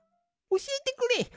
おしえてくれ。